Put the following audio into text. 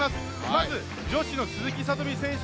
まず女子の鈴木聡美選手